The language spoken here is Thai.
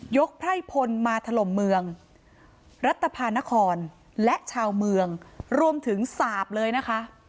ไพร่พลมาถล่มเมืองรัฐภานครและชาวเมืองรวมถึงสาปเลยนะคะ